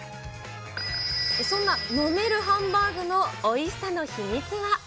そんな飲めるハンバーグのおいしさの秘密は。